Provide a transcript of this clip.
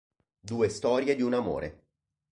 Due storie di un amore".